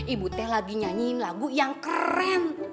ibu teh lagi nyanyiin lagu yang keren